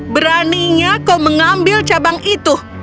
beraninya kau mengambil cabang itu